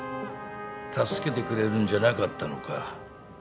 助けてくれるんじゃなかったのか？